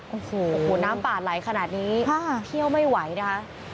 โอ้โหน้ำป่าไหลขนาดนี้เที่ยวไม่ไหวนะคะ